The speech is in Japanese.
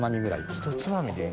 ひとつまみで。